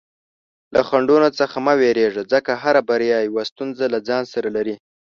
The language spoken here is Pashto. له خنډونو څخه مه ویریږه، ځکه هره بریا یوه ستونزه له ځان سره لري.